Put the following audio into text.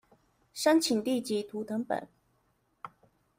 申請地籍圖謄本